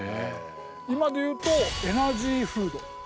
今で言うとエナジーフード。